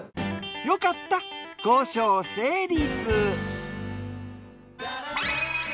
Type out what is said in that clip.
よかった交渉成立。